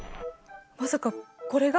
まさかこれが？